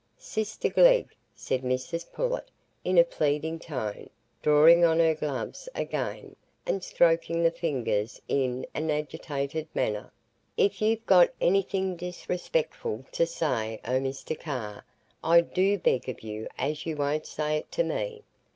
"Sister Glegg," said Mrs Pullet, in a pleading tone, drawing on her gloves again, and stroking the fingers in an agitated manner, "if you've got anything disrespectful to say o' Mr Carr, I do beg of you as you won't say it to me.